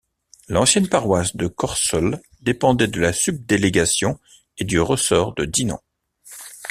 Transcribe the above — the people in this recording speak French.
L'ancienne paroisse de Corseul dépendait de la subdélégation et du ressort de Dinan.